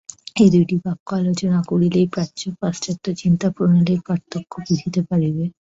এই দুইটি বাক্য আলোচনা করিলেই প্রাচ্য ও পাশ্চাত্য চিন্তাপ্রণালীর পার্থক্য বুঝিতে পারিবে।